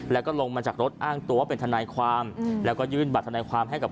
แล้วก็ลงมาจากรถอ้างตัวว่าเป็นทนายความแล้วก็ยื่นบัตรทนายความให้กับ